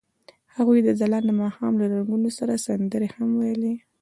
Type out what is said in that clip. هغوی د ځلانده ماښام له رنګونو سره سندرې هم ویلې.